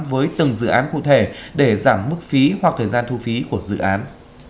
với từng dự án cụ thể để giảm mức phí hoặc thời gian thu phí của dự án